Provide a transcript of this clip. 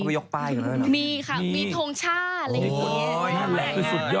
มียกป้ายกันแล้วเหรอมีค่ะมีโทงช่าอะไรอย่างเงี้ย